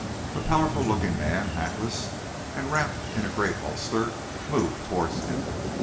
A powerful looking man, hatless, and wrapped in a great ulster, moved towards them.